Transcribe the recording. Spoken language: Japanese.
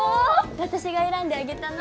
私が選んであげたの。